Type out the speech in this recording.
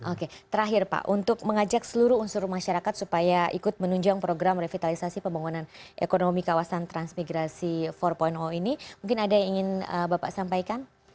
oke terakhir pak untuk mengajak seluruh unsur masyarakat supaya ikut menunjang program revitalisasi pembangunan ekonomi kawasan transmigrasi empat ini mungkin ada yang ingin bapak sampaikan